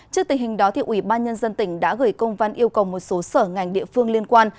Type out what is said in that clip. trước tình hình đó ủy ban nhân dân tỉnh đã gửi công văn yêu cầu một số sở ngành địa phương liên quan